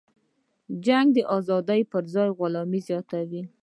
جنگ د ازادۍ پرځای غلامي زیاتوي.